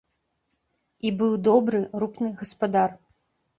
І быў добры, рупны гаспадар.